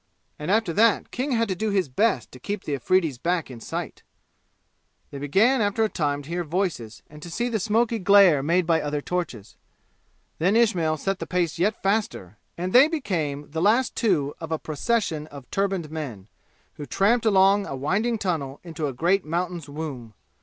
And after that King had to do his best to keep the Afridi's back in sight. They began after a time to hear voices and to see the smoky glare made by other torches. Then Ismail set the pace yet faster, and they became the last two of a procession of turbaned men, who tramped along a winding tunnel into a great mountain's womb.